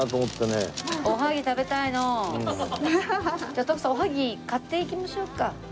じゃあ徳さんおはぎ買っていきましょうか。